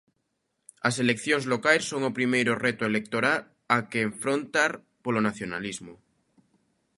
As eleccións locais son o primeiro reto electora a enfrontar polo nacionalismo.